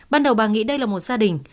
ban đầu bà nghĩ đây là một gia đình